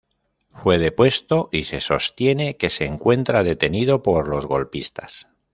Fue depuesto y se sostiene que se encuentra detenido por los golpistas.